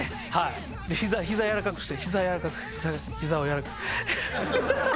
でひざ柔らかくしてひざ柔らかくひざを柔らかく。